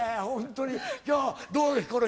本当に、どうです？